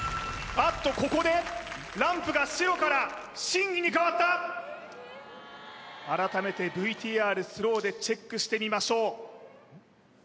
あっとここでランプが白から審議に変わった改めてＶＴＲスローでチェックしてみましょう